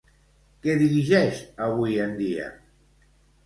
Què dirigeix avui en dia?